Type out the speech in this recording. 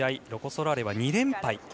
ロコ・ソラーレは２連敗。